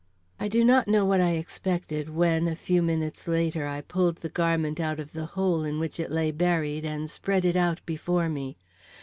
I do not know what I expected when, a few minutes later, I pulled the garment out of the hole in which it lay buried, and spread it out before me.